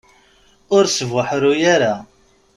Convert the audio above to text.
Ur sbuḥruy ara.